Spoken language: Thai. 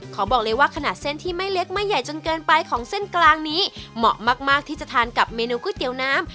ขอบอกเลยว่าขนาดเส้นที่ไม่เล็กไม่ใหญ่จนเกินไปของเส้นกลางนี้เหมาะมากที่จะทานกับเมนูก๋วยเตี๋ยวน้ำ